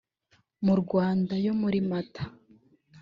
mu rwanda yo muri mata